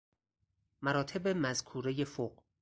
مراتب مذکورۀ فوق